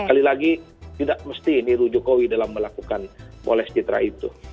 kali lagi tidak mesti miru jokowi dalam melakukan moles citra itu